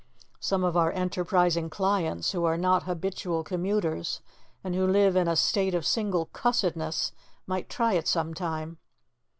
Some of our enterprising clients, who are not habitual commuters and who live in a state of single cussedness, might try it some time.